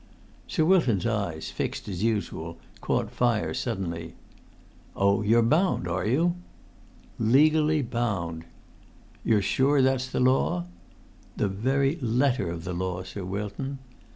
'" Sir Wilton's eyes, fixed as usual, caught fire suddenly. "Oh, you're bound, are you?" "Legally bound." "You're sure that's the law?" "The very letter of the law, Sir Wilton."